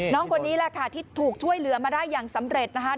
น้องคนนี้แหละค่ะที่ถูกช่วยเหลือมาได้อย่างสำเร็จนะคะ